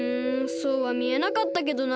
そうはみえなかったけどな。